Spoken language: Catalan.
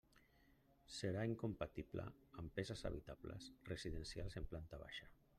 Serà incompatible amb peces habitables residencials en planta baixa.